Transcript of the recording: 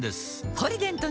「ポリデント」